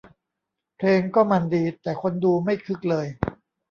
เพลงก็มันดี แต่คนดูไม่คึกเลย